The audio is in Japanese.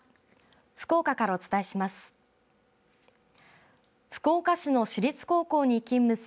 福岡からお伝えします。